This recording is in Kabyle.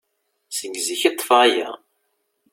Seg zik i ṭṭfeɣ aya.